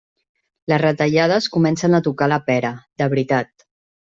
Les retallades comencen a tocar la pera de veritat.